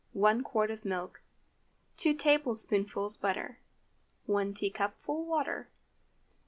1 qt. of milk. 2 tablespoonfuls butter. 1 teacupful water.